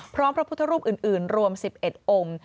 พระพุทธรูปอื่นรวม๑๑องค์